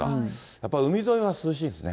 やっぱり海沿いは涼しいですね。